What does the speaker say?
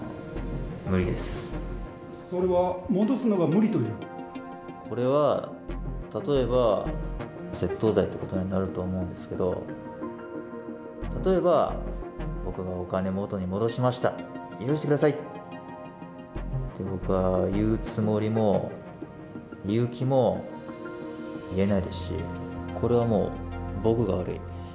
それは戻すのが無理というここれは、例えば窃盗罪ということになると思うんですけれども、例えば僕がお金元に戻しました、許してくださいって、僕は言うつもりも、言う気も、言えないですし、これはもう僕が悪い。